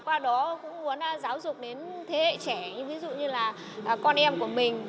qua đó cũng muốn giáo dục đến thế hệ trẻ ví dụ như là con em của mình